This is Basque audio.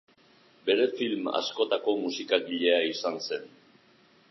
Bere film askotako musikagilea izan zen.